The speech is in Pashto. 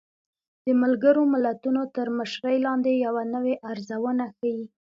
د ملګرو ملتونو تر مشرۍ لاندې يوه نوې ارزونه ښيي